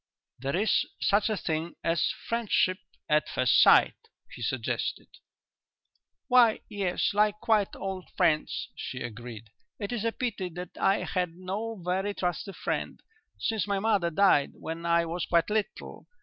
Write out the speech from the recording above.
"There is such a thing as friendship at first sight," he suggested. "Why, yes; like quite old friends," she agreed. "It is a pity that I had no very trusty friend, since my mother died when I was quite little.